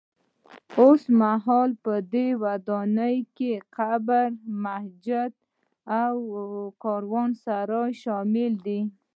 اوسمهال په دې ودانۍ کې قبر، جومات او کاروانسرای شامل دي.